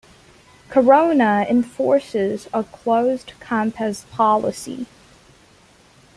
Corona enforces a closed-campus policy.